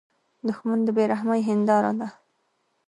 دښمن د بې رحمۍ هینداره ده